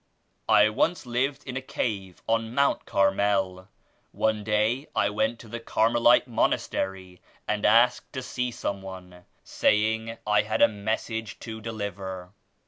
"I once lived in a cave on Mount Carmel. One day I went to the Carmelite Monastery and asked to see some one, saying I had a message to deliver.